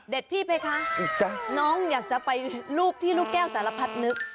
พี่ไปคะน้องอยากจะไปรูปที่ลูกแก้วสารพัดนึก